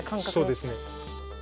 そうですね。